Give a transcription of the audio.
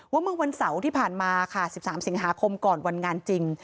เมื่อวันเสาร์ที่ผ่านมาค่ะ๑๓สิงหาคมก่อนวันงานจริง